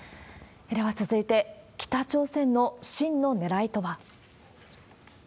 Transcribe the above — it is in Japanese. では続いて、北朝鮮の真のねらいとは。